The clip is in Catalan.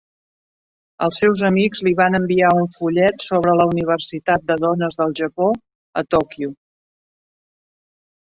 Els seus amics li van enviar un fullet sobre la universitat de dones del Japó a Tòquio.